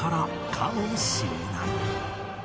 かもしれない